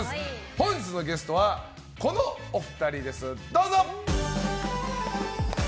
本日のゲストは、このお二人です。